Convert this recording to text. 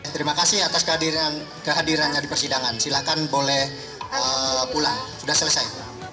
terima kasih atas kehadirannya di persidangan silahkan boleh pulang sudah selesai